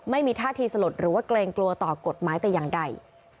ไม่มีท่าทีสลดหรือว่าเกรงกลัวต่อกฎหมายแต่อย่างใด